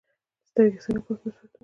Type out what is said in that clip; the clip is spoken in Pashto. سترګې څنګه پاکې وساتو؟